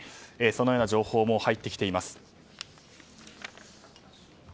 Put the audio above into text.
そのような情報も入ってきています。